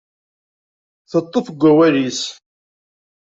Teṭṭef deg wawal-is.